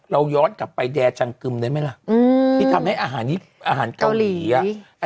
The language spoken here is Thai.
เราย้อนกลับไปแดจังกึมได้ไหมล่ะที่ทำให้อาหารนี้อาหารเกาหลีอ่ะ